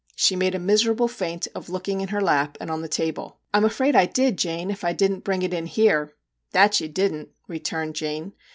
She made a miserable feint of looking in her lap and on the table. * I 'm afraid I did, Jane, if I didn't bring it in here' 'That you didn't/ returned Jane.